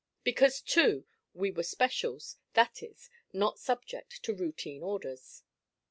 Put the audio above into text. Because, too, we were specials, that is, not subject to routine orders.